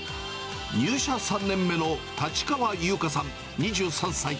入社３年目の立川優花さん２３歳。